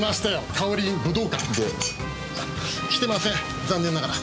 かおりイン武道館。で？来てません残念ながら。